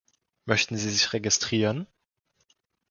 Möchten Sie sich registrieren?